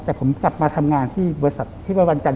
แต่ผมกลับมาทำงานที่บริษัทที่ไปวันจันท